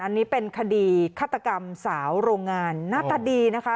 อันนี้เป็นคดีฆาตกรรมสาวโรงงานหน้าตาดีนะคะ